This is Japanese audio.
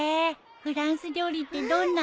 フランス料理ってどんな味？